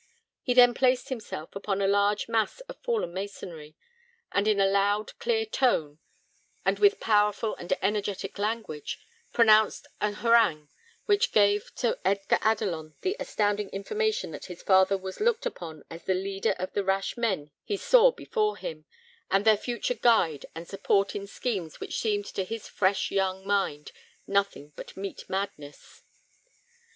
He then placed himself upon a large mass of fallen masonry, and in a loud, clear tone, and with powerful and energetic language, pronounced an harangue, which gave to Edgar Adelon the astounding information that his father was looked upon as the leader of the rash men he saw before him, and their future guide and support in schemes which seemed to his fresh young mind nothing but mete madness.